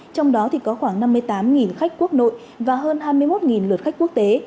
trong đó có khoảng năm mươi tám khách quốc nội và hơn hai mươi một lượt khách quốc tế